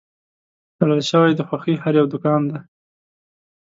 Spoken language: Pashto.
تړل شوی د خوښۍ هر یو دوکان دی